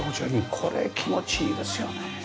これ気持ちいいですよね。